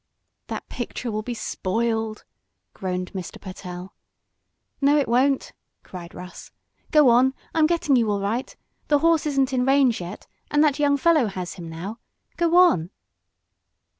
"That picture will be spoiled!" groaned Mr. Pertell. "No, it won't!" cried Russ. "Go on! I'm getting you all right. The horse isn't in range yet and that young fellow has him now. Go on!"